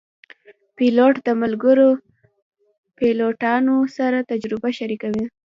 پیلوټ د ملګرو پیلوټانو سره تجربه شریکوي.